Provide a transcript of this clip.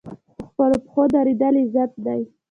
په خپلو پښو دریدل عزت دی